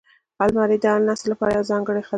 الماري د هر نسل لپاره یوه خزانه ده